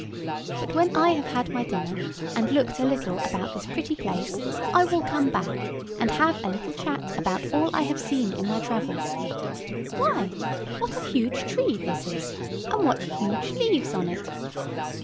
But when I have had my dinner, and looked a little about this pretty place, I will come back, and have a little chat about all I have seen in my travels. Why, what a huge tree this is! and what huge leaves on it!"